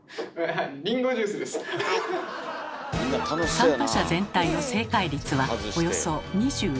参加者全体の正解率はおよそ２１％。